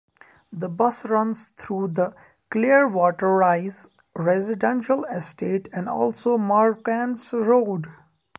The bus runs through the "Clearwater Rise" residential estate and also Marquands Road.